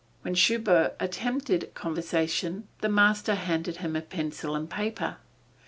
When Schubert attempted conversation the master handed him a pencil and paper.